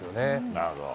なるほど。